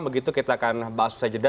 begitu kita akan bahas usai jeda